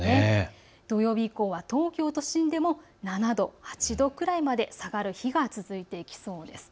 土曜日以降は東京都心でも７度、８度ぐらいまで下がる日が続いていきそうです。